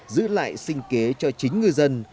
giữ lại sinh kế cho chính ngư dân